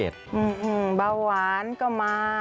อื้อเบาหวานก็มา